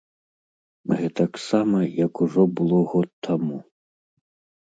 Гэтаксама, як ужо было год таму.